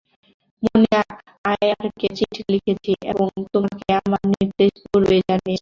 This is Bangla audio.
মণি আয়ারকে চিঠি লিখেছি এবং তোমাকে আমার নির্দেশ পূর্বেই জানিয়েছি।